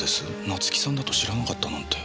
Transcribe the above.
夏樹さんだと知らなかったなんて。